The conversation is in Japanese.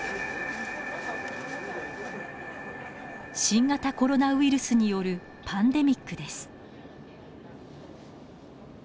新型コロナウイルスによるパンデミックです。